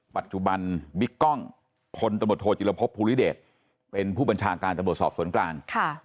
ปัจจุบันบิ๊กกล้องพลตำรวจโทจิลภพภูริเดชเป็นผู้บัญชาการตำรวจสอบสวนกลาง